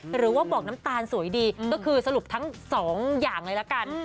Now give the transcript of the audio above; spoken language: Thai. หรือว่าบอกน้ำตาลสวยดีก็คือสรุปทั้งสองอย่างเลยละกัน